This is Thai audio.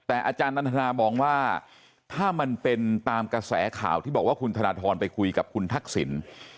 แต่อาจารย์นันทนามองว่าถ้ามันเป็นตามกระแสข่าวที่บอกว่าคุณธนทรไปคุยกับคุณทักษิณ